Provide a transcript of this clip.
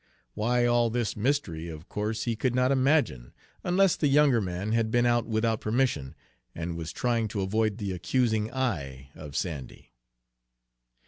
Why all this mystery, of course he could not imagine, unless the younger man had been out without permission and was trying to avoid the accusing eye of Sandy.